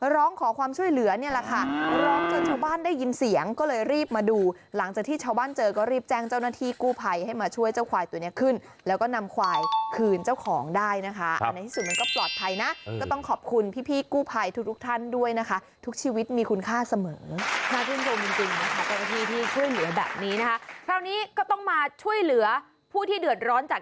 ร้องขอความช่วยเหลือเนี่ยแหละค่ะร้องจนชาวบ้านได้ยินเสียงก็เลยรีบมาดูหลังจากที่ชาวบ้านเจอก็รีบแจ้งเจ้าหน้าที่กู้ภัยให้มาช่วยเจ้าควายตัวเนี้ยขึ้นแล้วก็นำควายคืนเจ้าของได้นะคะอันในที่สุดมันก็ปลอดภัยนะก็ต้องขอบคุณพี่กู้ภัยทุกทุกท่านด้วยนะคะทุกชีวิตมีคุณค่าเสมอน่า